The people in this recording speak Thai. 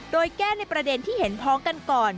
โดยแก้ในประเด็นที่เห็นพ้องกันก่อน